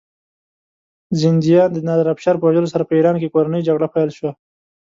زندیه د نادرافشار په وژلو سره په ایران کې کورنۍ جګړه پیل شوه.